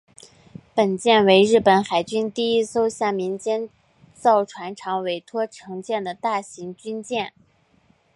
本舰为日本海军第一艘向民间造船厂委托承建的大型军舰。